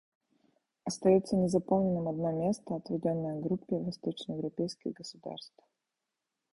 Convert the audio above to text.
Остается незаполненным одно место, отведенное Группе восточноевропейских государств.